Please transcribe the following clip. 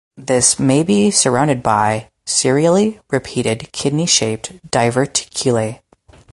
This may be surrounded by serially repeated kidney-shaped diverticulae.